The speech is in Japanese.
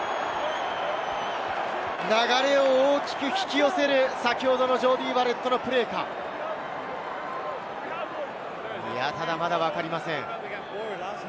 流れを大きく引き寄せる先ほどのジョーディー・バレットのプレーか、ただまだわかりません。